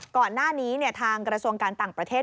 ก่อนหน้านี้ทางกระทรวงการต่างประเทศ